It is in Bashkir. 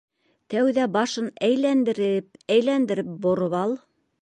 Тәүҙә башын әйләндереп-әйләндереп бороп ал!